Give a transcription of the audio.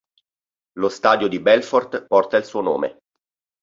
Lo stadio di Belfort porta il suo nome.